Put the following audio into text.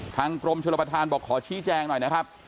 กรมชนประธานบอกขอชี้แจงหน่อยนะครับ